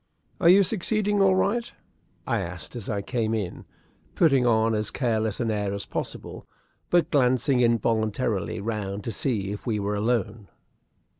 "Are you succeeding all right?" I asked as I came in, putting on as careless an air as possible, but glancing involuntarily round to see if we were alone.